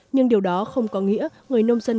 nhưng điều đó không có nghĩa người nông dân